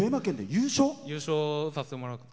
優勝させてもらって。